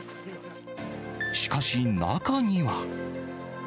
しかし、中には。